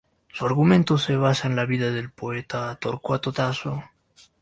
Su argumento se basa en la vida del poeta Torquato Tasso.